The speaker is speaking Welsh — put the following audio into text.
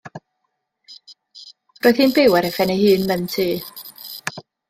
Roedd hi'n byw ar ei phen ei hun mewn tŷ.